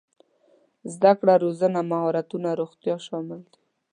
زده کړه روزنه مهارتونه روغتيا شامل دي.